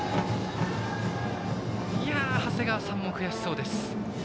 長谷川さんも悔しそうです。